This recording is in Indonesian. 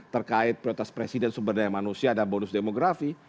terkait prioritas presiden sumber daya manusia dan bonus demografi